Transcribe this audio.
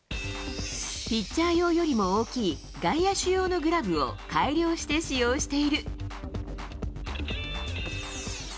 ピッチャー用よりも大きい、外野手用のグラブを改良して使用している。